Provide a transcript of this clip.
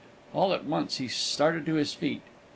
All at once he started to his feet.